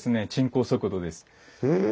へえ。